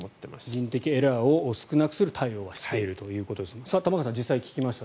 人的エラーを少なくする対応はしているということですが玉川さん、実際に聞きました。